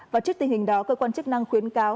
và trước tình hình đó cơ quan chức năng khuyến cáo